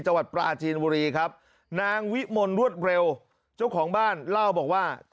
จังหวัดปลาจีนบุรีครับนางวิมลรวดเร็วเจ้าของบ้านเล่าบอกว่า